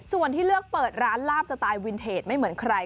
ส่วนที่เลือกเปิดร้านลาบสไตล์วินเทจไม่เหมือนใคร